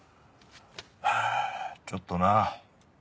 ハァちょっとな。